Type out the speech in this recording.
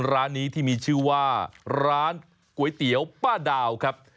ร้านนี้ที่มีชื่อว่าร้านก๋วยเตี๋ยวป้าดาวครับ